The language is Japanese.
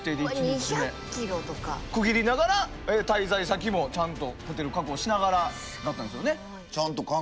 区切りながら滞在先もちゃんとホテル確保しながらだったんですよね。